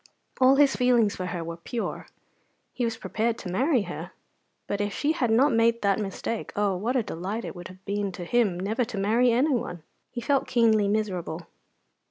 All his feelings for her were pure. He was prepared to marry her; but if she had not made that mistake, oh, what a delight it would have been to him never to marry anyone! He felt keenly miserable.